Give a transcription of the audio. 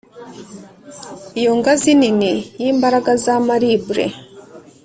iyo ngazi nini yimbaraga za marble,